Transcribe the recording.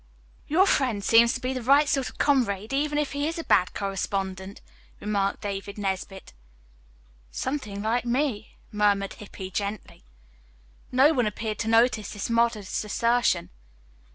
"Your friend seems to be the right sort of comrade, even if he is a bad correspondent," remarked David Nesbit. "Something like me," murmured Hippy gently. No one appeared to notice this modest assertion.